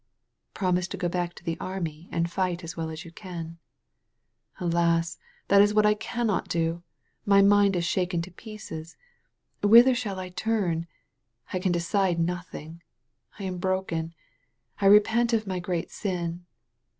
"Promise to go back to the army and fight as well as you can." "Alas! that is what I cannot do. My mind is shaken to pieces. Whither shall I turn? I can decide nothing. I am broken. I repent of my great sin.